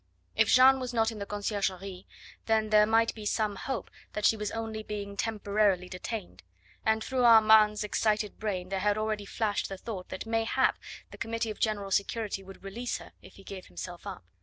If Jeanne was not in the Conciergerie, then there might be some hope that she was only being temporarily detained, and through Armand's excited brain there had already flashed the thought that mayhap the Committee of General Security would release her if he gave himself up.